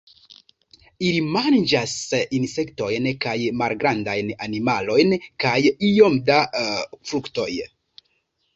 Ili manĝas insektojn kaj malgrandajn animalojn kaj iome da fruktoj.